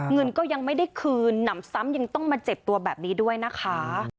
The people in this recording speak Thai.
เงินก็ยังไม่ได้คืนหนำซ้ำยังต้องมาเจ็บตัวแบบนี้ด้วยนะคะ